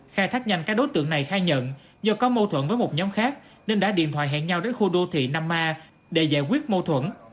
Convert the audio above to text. khai thác nhanh các đối tượng này khai nhận do có mâu thuẫn với một nhóm khác nên đã điện thoại hẹn nhau đến khu đô thị năm a để giải quyết mâu thuẫn